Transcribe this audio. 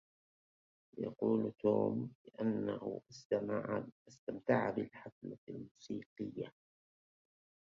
يقول توم بأنه استمتع بالحفلة الموسيقية.